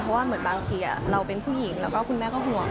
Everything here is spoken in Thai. เพราะว่าเหมือนบางทีเราเป็นผู้หญิงแล้วก็คุณแม่ก็ห่วง